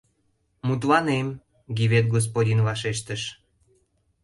— Мутланем, — Гивет господин вашештыш.